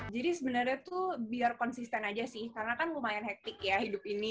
jadi sebenarnya tuh biar konsisten aja sih karena kan lumayan hektik ya hidup ini